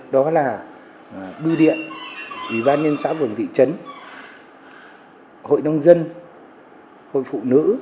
đó là bưu điện ủy ban nhân xã vườn thị trấn hội nông dân hội phụ nữ